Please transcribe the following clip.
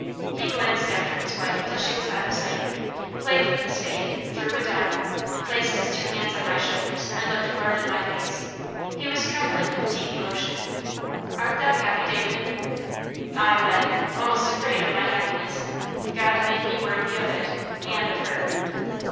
He glanced after his wife till she was out of sight, played with the spade, threw it down, placed his two hands on my shoulders, and looked hard in my face. He was trembling with deep emotion. "Art thou happy, David?" "Ay, lad, almost afraid of my happiness. God make me worthy of it, and of her!"